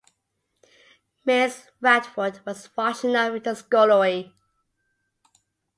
Mrs. Radford was washing up in the scullery.